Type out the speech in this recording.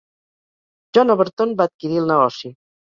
John Overton va adquirir el negoci.